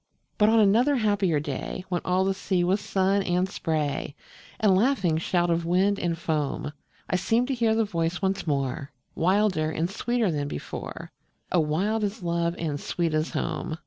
But on another happier day, When all the sea was sun and spray, And laughing shout of wind and foam, I seemed to hear the voice once more, Wilder and sweeter than before, O wild as love and sweet as home.